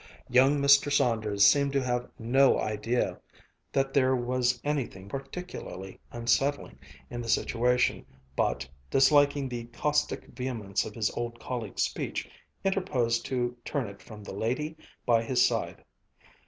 Young Mr. Saunders seemed to have no idea that there was anything particularly unsettling in the situation, but, disliking the caustic vehemence of his old colleague's speech, inter posed to turn it from the lady by his side.